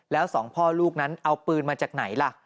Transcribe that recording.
แล้วสองพ่อลูกนั้นเอาปืนมาจากไหนล่ะ